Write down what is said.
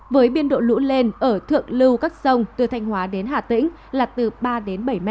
với biên độ lũ lên ở thượng lưu các sông từ thanh hóa đến hà tĩnh là từ ba đến bảy m